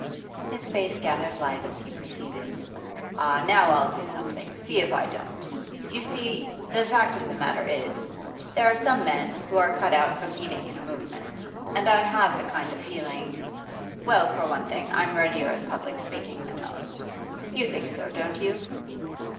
His face gathered light as he proceeded. 'Ah, now I'll do something! see if I don't. You see, the fact of the matter is, there are some men who are cut out for leading in a movement, and I have the kind of feeling well, for one thing, I'm readier at public speaking than most. You think so, don't you?